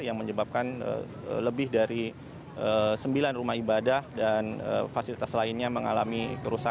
yang menyebabkan lebih dari sembilan rumah ibadah dan fasilitas lainnya mengalami kerusakan